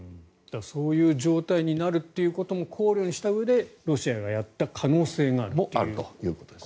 そういう状態になるということも考慮したうえでロシアがやった可能性もあると。